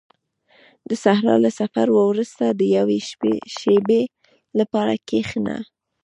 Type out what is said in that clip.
• د صحرا له سفر وروسته د یوې شېبې لپاره کښېنه.